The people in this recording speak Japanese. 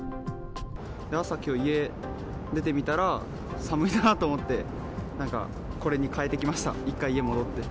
朝、きょう家出てみたら、寒いなと思って、なんか、これに替えてきました、一回家戻って。